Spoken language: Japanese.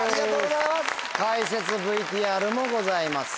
解説ＶＴＲもございます。